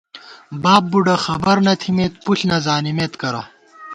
باب بُڈہ خبر نہ تھِمېت پُݪ نَزانِمېت کرہ